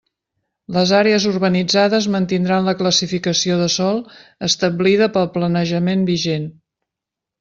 Les àrees urbanitzades mantindran la classificació de sòl establida pel planejament vigent.